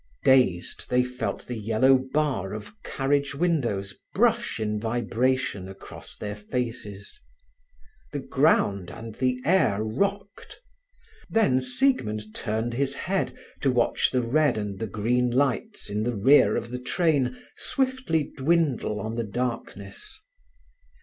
Dazed, they felt the yellow bar of carriage windows brush in vibration across their faces. The ground and the air rocked. Then Siegmund turned his head to watch the red and the green lights in the rear of the train swiftly dwindle on the darkness.